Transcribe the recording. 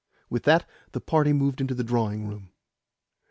With that the party moved into the drawing room.